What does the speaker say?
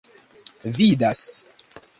vidas